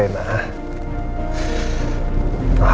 aku kangen banget sama rena